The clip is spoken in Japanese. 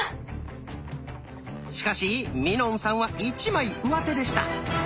しかしみのんさんは一枚うわてでした。